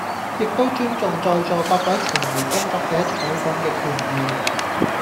亦都尊重在座各位傳媒工作者採訪嘅權利